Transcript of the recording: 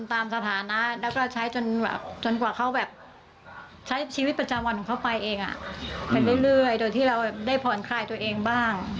สถานะแล้วก็ใช้จนแบบจนกว่าเขาแบบใช้ชีวิตประจำวันของเขาไปเองเป็นเรื่อยโดยที่เราได้ผ่อนคลายตัวเองบ้าง